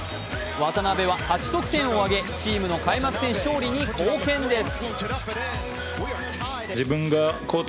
渡邊は８得点を挙げ、チームの開幕戦勝利に貢献です。